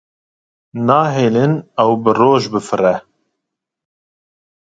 Nahêlin ew bi roj bifire.